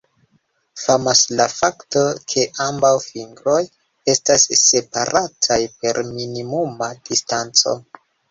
Famas la fakto ke ambaŭ fingroj estas separataj per minimuma distanco.